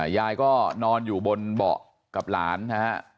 ยายก็นอนอยู่บนเบาะกับหลานนะฮะ